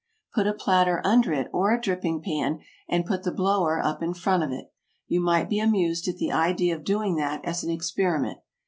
Put a platter under it or a dripping pan, and put the blower up in front of it. You might be amused at the idea of doing that as an experiment.